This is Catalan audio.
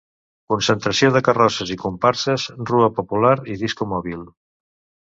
Concentració de carrosses i comparses, rua popular i discomòbil.